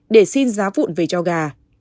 để xin giá vụn về cháu gà